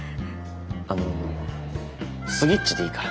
あのスギッチでいいから。